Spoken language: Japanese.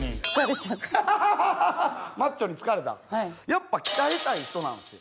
やっぱ鍛えたい人なんすよ。